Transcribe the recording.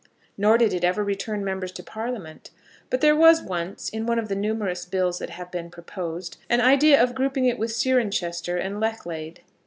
Nor did it ever return members to Parliament; but there was once, in one of the numerous bills that have been proposed, an idea of grouping it with Cirencester and Lechlade.